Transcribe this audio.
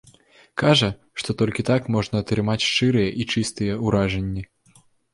Кажа, што толькі так можна атрымаць шчырыя і чыстыя ўражанні.